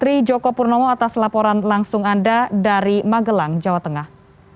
tri joko purnomo atas laporan langsung anda dari magelang jawa tengah